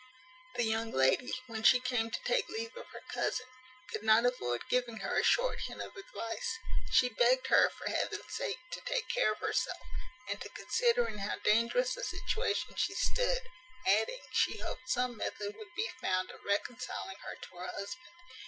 The young lady, when she came to take leave of her cousin, could not avoid giving her a short hint of advice. She begged her, for heaven's sake, to take care of herself, and to consider in how dangerous a situation she stood; adding, she hoped some method would be found of reconciling her to her husband.